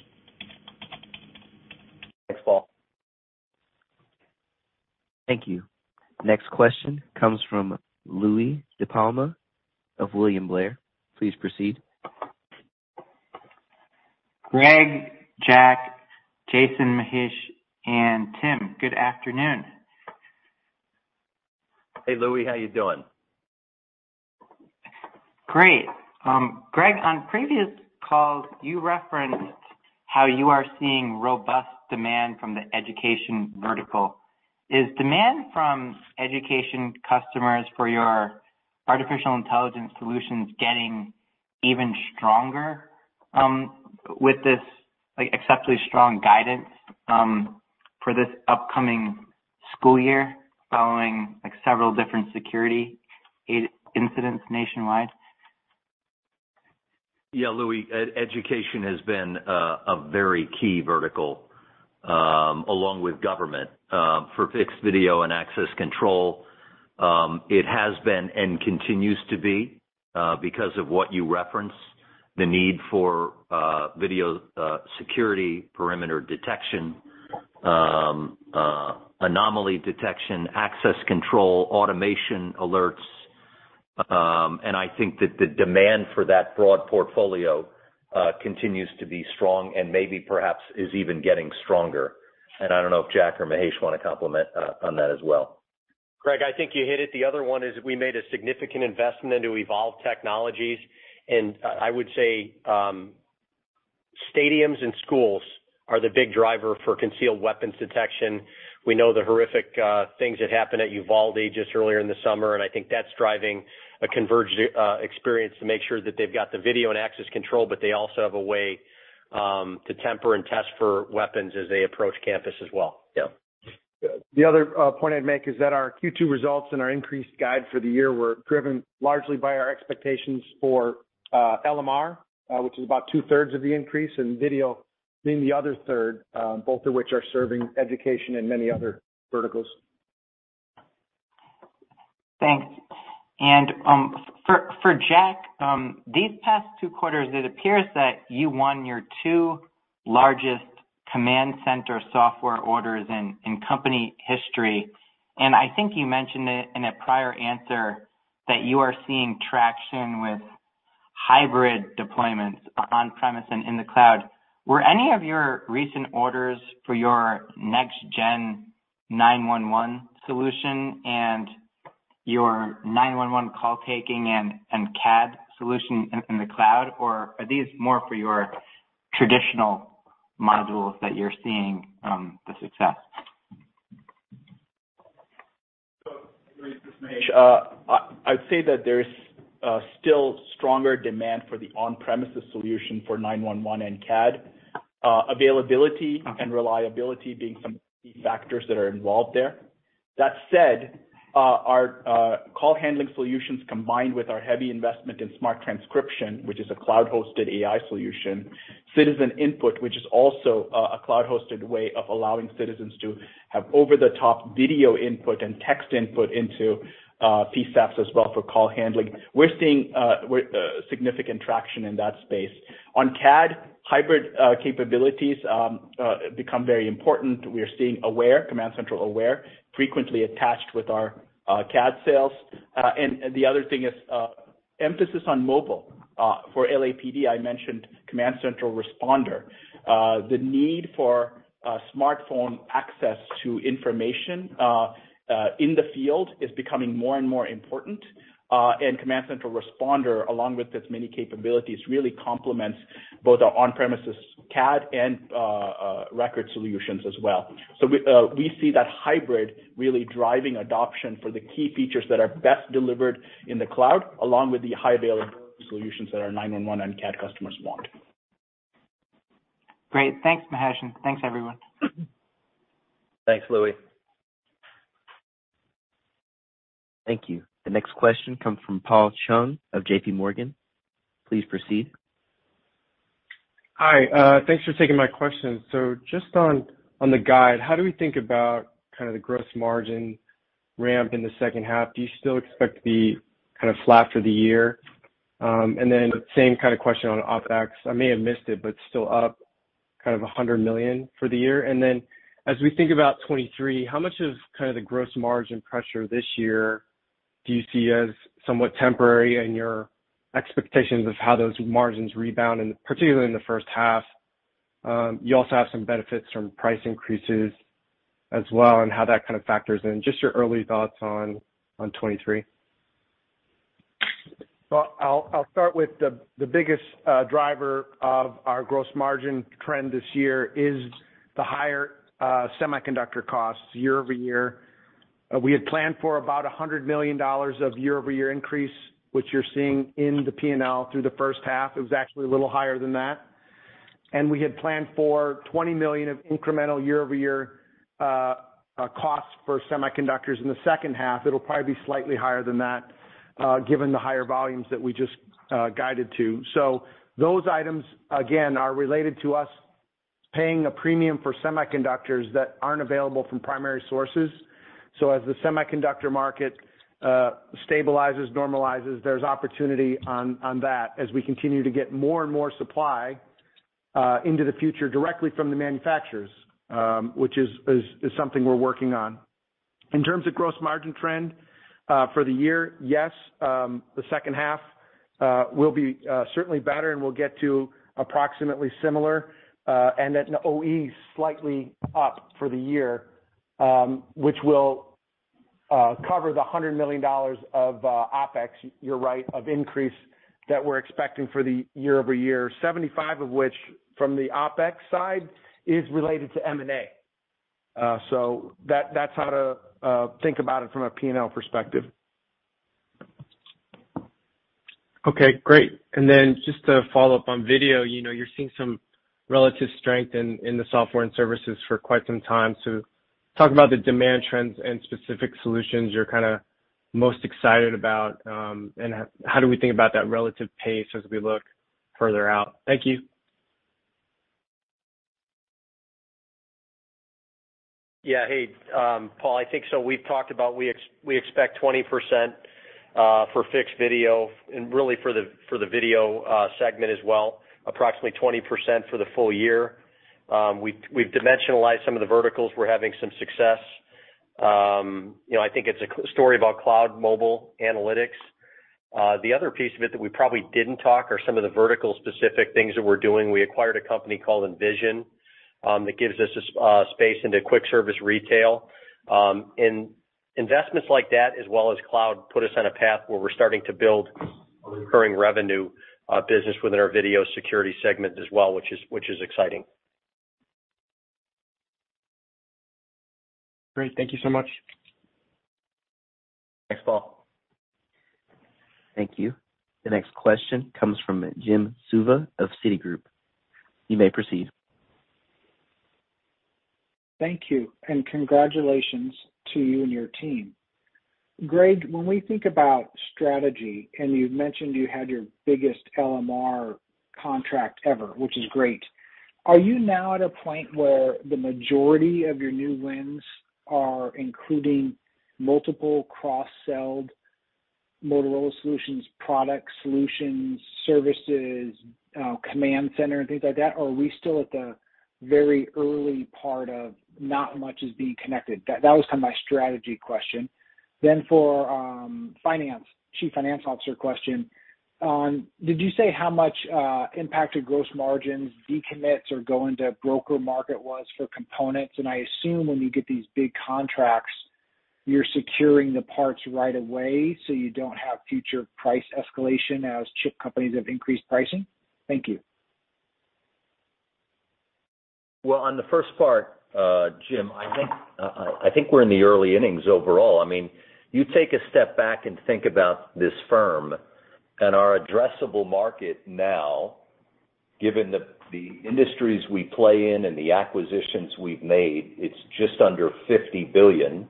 Thanks, Paul. Thank you. Next question comes from Louie DiPalma of William Blair. Please proceed. Greg, Jack, Jason, Mahesh, and Tim, good afternoon. Hey, Louie. How you doing? Great. Greg, on previous calls, you referenced how you are seeing robust demand from the education vertical. Is demand from education customers for your artificial intelligence solutions getting even stronger, with this, like, exceptionally strong guidance, for this upcoming school year following, like, several different security incidents nationwide? Yeah, Louie, education has been a very key vertical along with government for fixed video and access control. It has been and continues to be because of what you referenced, the need for video security, perimeter detection, anomaly detection, access control, automation alerts. I think that the demand for that broad portfolio continues to be strong and maybe perhaps is even getting stronger. I don't know if Jack or Mahesh wanna comment on that as well. Greg, I think you hit it. The other one is we made a significant investment into Evolv Technologies. I would say, stadiums and schools are the big driver for concealed weapons detection. We know the horrific things that happened at Uvalde just earlier in the summer, and I think that's driving a converged experience to make sure that they've got the video and access control, but they also have a way to temper and test for weapons as they approach campus as well. Yeah. The other point I'd make is that our Q2 results and our increased guide for the year were driven largely by our expectations for LMR, which is about two-thirds of the increase, and video. The other third, both of which are serving education and many other verticals. Thanks. For Jack, these past two quarters, it appears that you won your two largest command center software orders in company history. I think you mentioned it in a prior answer that you are seeing traction with hybrid deployments on-premises and in the cloud. Were any of your recent orders for your next gen 911 solution and your 911 call taking and CAD solution in the cloud? Or are these more for your traditional modules that you're seeing the success? This is Mahesh. I'd say that there's still stronger demand for the on-premises solution for 911 and CAD, availability and reliability being some key factors that are involved there. That said, our call handling solutions combined with our heavy investment in smart transcription, which is a cloud-hosted AI solution, citizen input, which is also a cloud-hosted way of allowing citizens to have over the top video input and text input into PSAPs as well for call handling. We're seeing significant traction in that space. On CAD, hybrid capabilities become very important. We are seeing CommandCentral Aware frequently attached with our CAD sales. The other thing is emphasis on mobile for LAPD. I mentioned CommandCentral Responder. The need for smartphone access to information in the field is becoming more and more important. CommandCentral Responder, along with its many capabilities, really complements both our on-premises CAD and record solutions as well. We see that hybrid really driving adoption for the key features that are best delivered in the cloud, along with the high availability solutions that our 911 and CAD customers want. Great. Thanks, Mahesh. Thanks everyone. Thanks, Louie. Thank you. The next question comes from Paul Chung of JPMorgan. Please proceed. Hi, thanks for taking my questions. Just on the guide, how do we think about kind of the gross margin ramp in the second half? Do you still expect to be kind of flat for the year? Same kind of question on OpEx. I may have missed it, but still up kind of $100 million for the year. As we think about 2023, how much of kind of the gross margin pressure this year do you see as somewhat temporary in your expectations of how those margins rebound and particularly in the first half? You also have some benefits from price increases as well and how that kind of factors in. Just your early thoughts on 2023. Well, I'll start with the biggest driver of our gross margin trend this year is the higher semiconductor costs year-over-year. We had planned for about $100 million of year-over-year increase, which you're seeing in the P&L through the first half. It was actually a little higher than that. We had planned for $20 million of incremental year-over-year costs for semiconductors. In the second half, it'll probably be slightly higher than that, given the higher volumes that we just guided to. Those items, again, are related to us paying a premium for semiconductors that aren't available from primary sources. As the semiconductor market stabilizes, normalizes, there's opportunity on that as we continue to get more and more supply into the future directly from the manufacturers, which is something we're working on. In terms of gross margin trend for the year, yes, the second half will be certainly better, and we'll get to approximately similar, and then OpEx slightly up for the year, which will cover the $100 million of OpEx, you're right, of increase that we're expecting for the year-over-year, 75 of which from the OpEx side is related to M&A. That's how to think about it from a P&L perspective. Okay, great. Then just to follow up on video, you know, you're seeing some relative strength in the software and services for quite some time. So talk about the demand trends and specific solutions you're kinda most excited about, and how do we think about that relative pace as we look further out? Thank you. Yeah. Hey, Paul, I think we've talked about we expect 20% for fixed video and really for the video segment as well, approximately 20% for the full year. We've dimensionalized some of the verticals. We're having some success. You know, I think it's a story about cloud mobile analytics. The other piece of it that we probably didn't talk about are some of the vertical specific things that we're doing. We acquired a company called Envysion that gives us space into quick service retail. Investments like that as well as cloud put us on a path where we're starting to build a recurring revenue business within our video security segment as well, which is exciting. Great. Thank you so much. Thanks, Paul. Thank you. The next question comes from Jim Suva of Citigroup. You may proceed. Thank you, and congratulations to you and your team. Greg, when we think about strategy, and you've mentioned you had your biggest LMR contract ever, which is great, are you now at a point where the majority of your new wins are including multiple cross-sell Motorola Solutions product solutions, services, command center and things like that? Or are we still at the very early part of not much is being connected? That was kind of my strategy question. For finance, Chief Financial Officer question. On, did you say how much impacted gross margins decommits or going to broker market was for components? And I assume when you get these big contracts, you're securing the parts right away so you don't have future price escalation as chip companies have increased pricing. Thank you. On the first part, Jim, I think we're in the early innings overall. I mean, you take a step back and think about this firm and our addressable market now, given the industries we play in and the acquisitions we've made, it's just under $50 billion.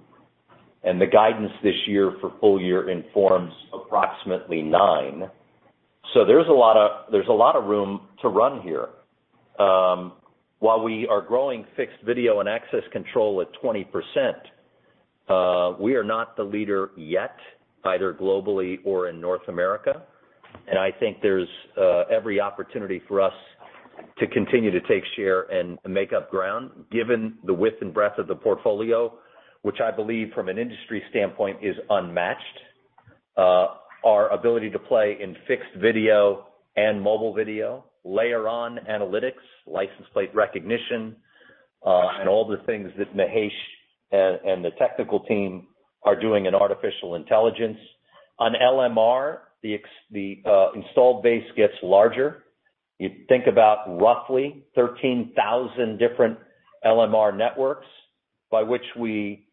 The guidance this year for full year is for approximately $9 billion. There's a lot of room to run here. While we are growing fixed video and access control at 20%, we are not the leader yet, either globally or in North America. I think there's every opportunity for us to continue to take share and make up ground given the width and breadth of the portfolio, which I believe from an industry standpoint is unmatched. Our ability to play in fixed video and mobile video, layer on analytics, license plate recognition, and all the things that Mahesh and the technical team are doing in artificial intelligence. On LMR, the installed base gets larger. You think about roughly 13,000 different LMR networks by which we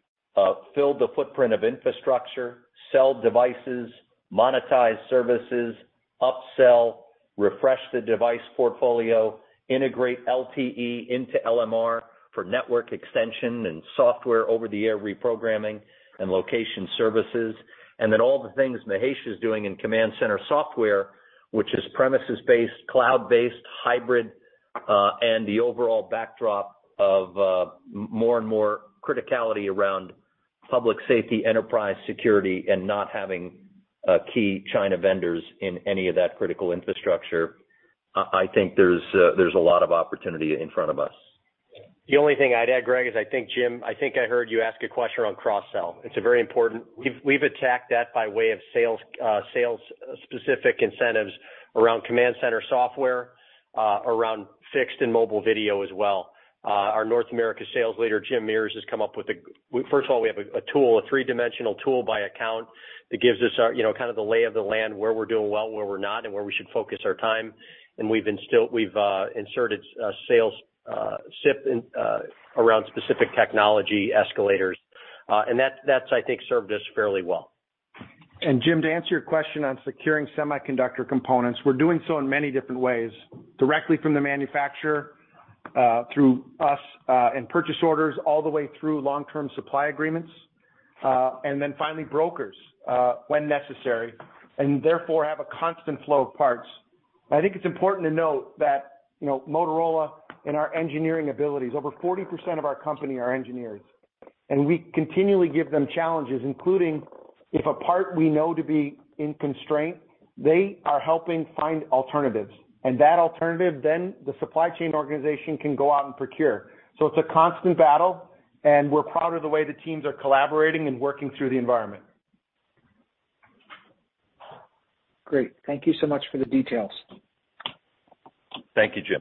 fill the footprint of infrastructure, sell devices, monetize services, upsell, refresh the device portfolio, integrate LTE into LMR for network extension and software over-the-air reprogramming and location services. Then all the things Mahesh is doing in command center software, which is premises-based, cloud-based, hybrid, and the overall backdrop of more and more criticality around public safety, enterprise security, and not having key China vendors in any of that critical infrastructure. I think there's a lot of opportunity in front of us. The only thing I'd add, Greg, is I think, Jim, I think I heard you ask a question on cross-sell. It's a very important. We've attacked that by way of sales specific incentives around command center software, around fixed and mobile video as well. Our North America sales leader, Jim Mears, has come up with. First of all, we have a three-dimensional tool by account that gives us our, you know, kind of the lay of the land, where we're doing well, where we're not, and where we should focus our time. We've inserted sales spiff around specific technology escalators. And that's, I think, served us fairly well. Jim, to answer your question on securing semiconductor components, we're doing so in many different ways, directly from the manufacturer, through us, and purchase orders all the way through long-term supply agreements, and then finally brokers, when necessary, and therefore have a constant flow of parts. I think it's important to note that, you know, Motorola in our engineering abilities, over 40% of our company are engineers, and we continually give them challenges, including if a part we know to be in constraint, they are helping find alternatives. That alternative then the supply chain organization can go out and procure. It's a constant battle, and we're proud of the way the teams are collaborating and working through the environment. Great. Thank you so much for the details. Thank you, Jim.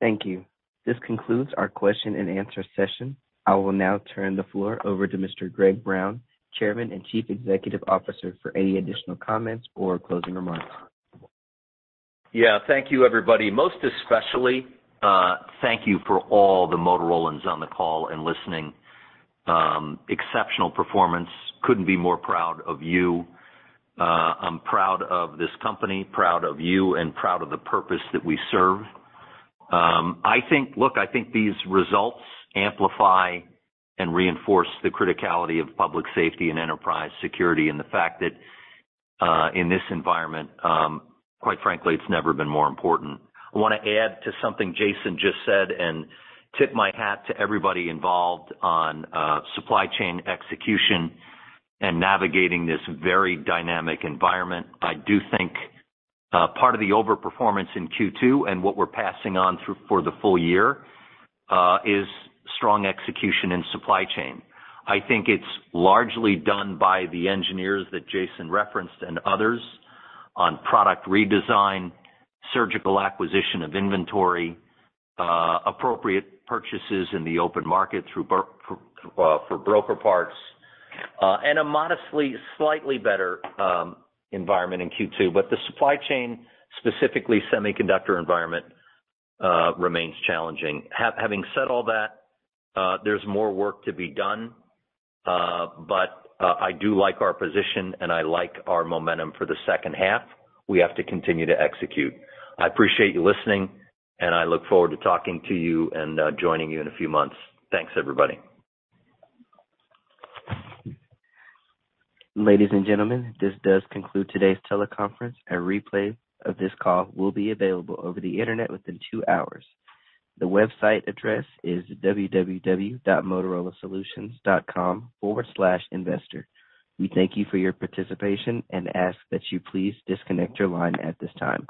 Thank you. This concludes our Q&A session. I will now turn the floor over to Mr. Greg Brown, Chairman and Chief Executive Officer, for any additional comments or closing remarks. Yeah. Thank you, everybody. Most especially, thank you for all the Motorolans on the call and listening. Exceptional performance. Couldn't be more proud of you. I'm proud of this company, proud of you, and proud of the purpose that we serve. I think these results amplify and reinforce the criticality of public safety and enterprise security, and the fact that, in this environment, quite frankly, it's never been more important. I wanna add to something Jason just said, and tip my hat to everybody involved on supply chain execution and navigating this very dynamic environment. I do think part of the overperformance in Q2 and what we're passing on through for the full year is strong execution in supply chain. I think it's largely done by the engineers that Jason referenced and others on product redesign, surgical acquisition of inventory, appropriate purchases in the open market through brokers for broker parts, and a modestly slightly better environment in Q2. The supply chain, specifically semiconductor environment, remains challenging. Having said all that, there's more work to be done, but I do like our position and I like our momentum for the second half. We have to continue to execute. I appreciate you listening, and I look forward to talking to you and joining you in a few months. Thanks, everybody. Ladies and gentlemen, this does conclude today's teleconference. A replay of this call will be available over the internet within two hours. The website address is www.motorolasolutions.com/investor. We thank you for your participation and ask that you please disconnect your line at this time.